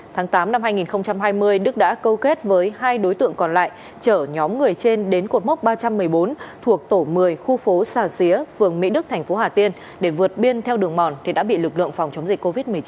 tháng tám năm hai nghìn hai mươi đức đã câu kết với hai đối tượng còn lại chở nhóm người trên đến cột mốc ba trăm một mươi bốn thuộc tổ một mươi khu phố xà xía phường mỹ đức thành phố hà tiên để vượt biên theo đường mòn thì đã bị lực lượng phòng chống dịch covid một mươi chín